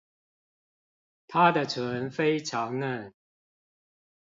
她的唇非常嫩